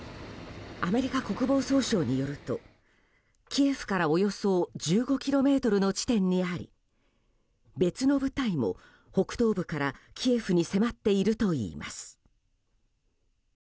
アメリカ国防総省によるとキエフからおよそ１５ｋｍの地点にあり別の部隊も北東部からキエフに迫っているといいます。